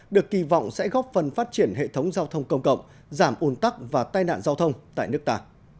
được kỳ vọng sẽ góp phần phát triển hệ thống giao thông công cộng giảm ồn tắc và tai nạn giao thông tại nước ta